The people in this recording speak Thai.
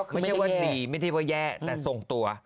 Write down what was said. ไม่ใช่ว่าดีไม่ได้ว่าแย่แต่ส่งตัว